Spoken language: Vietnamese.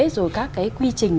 rồi các cái quy trình